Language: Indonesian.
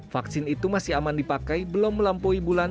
vaksin itu masih aman dipakai belum melampaui bulan